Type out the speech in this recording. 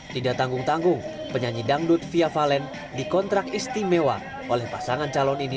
tidak tanggung tanggung penyanyi dangdut fia valen dikontrak istimewa oleh pasangan calon ini